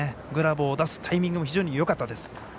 グラブも出すタイミングも非常によかったです。